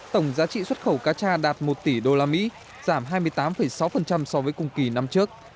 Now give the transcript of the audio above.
tổng giá trị xuất khẩu cá cha đạt một tỷ usd giảm hai mươi tám sáu so với cùng kỳ năm trước